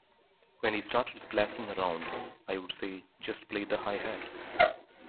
When he started splashing around I'd say, 'Just play the hi-hat!'.